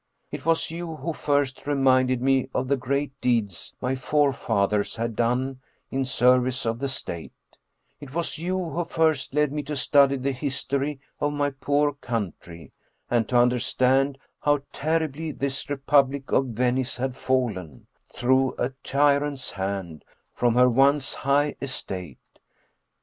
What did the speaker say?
It was you who first reminded me of the great deeds my forefathers had done in service of the State; it was you who first led me to study the history of my poor country and to understand how terribly this Re public of Venice had fallen, through a tyrant's hand, from her once high estate.